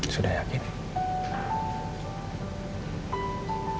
sudah yakin ya